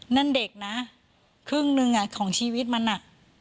นั่นเด็กนะครึ่งหนึ่งของชีวิตมันอ่ะ